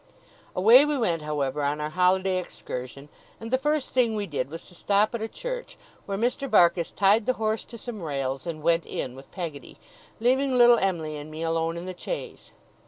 Away we went, however, on our holiday excursion; and the first thing we did was to stop at a church, where Mr. Barkis tied the horse to some rails, and went in with Peggotty, leaving little Em'ly and me alone in the chaise.